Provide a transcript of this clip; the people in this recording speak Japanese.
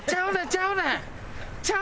ちゃうねん！